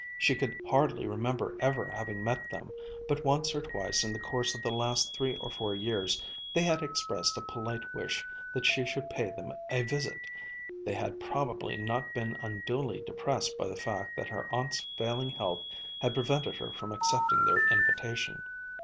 She could hardly remember ever having met them, but once or twice in the course of the last three or four years they had expressed a polite wish that she should pay them a visit; they had probably not been unduly depressed by the fact that her aunt's failing health had prevented her from accepting their invitation.